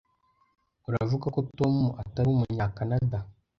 Uravuga ko Tom atari Umunyakanada?